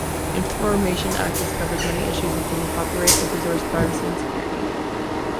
Information access covers many issues including copyright, open source, privacy, and security.